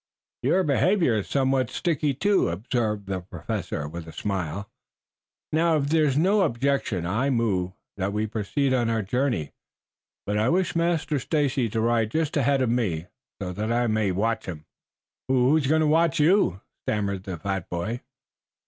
"Your behavior is somewhat sticky, too," observed the Professor, with a smile. "Now, if there is no objection, I move that we proceed on our journey, but I wish Master Stacy to ride just ahead of me so that I may watch him." "Who who's going to watch you?" stammered the fat boy.